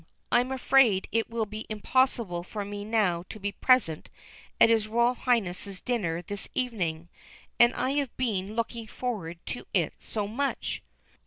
I'm afraid it will be impossible for me now to be present at his Royal Highness's dinner this evening, and I have been looking forward to it so much."